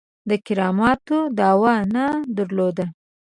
د کراماتو دعوه نه درلوده.